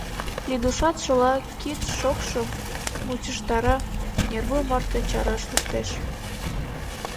Лидушат шола кид шокшым мучыштара, кынервуй марте чараш луктеш.